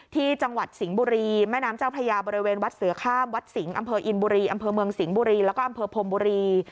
จังหวัดสิงห์บุรีแม่น้ำเจ้าพระยาบริเวณวัดเสือข้ามวัดสิงห์อำเภออินบุรีอำเภอเมืองสิงห์บุรีแล้วก็อำเภอพรมบุรี